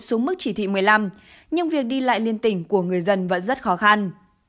xuống mức chỉ thị một mươi năm nhưng việc đi lại liên tỉnh của người dân vẫn rất khó khăn